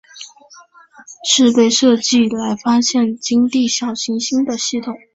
是被设计来发现掠地小行星的系统。